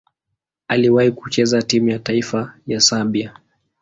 Aliwahi kucheza timu ya taifa ya Serbia.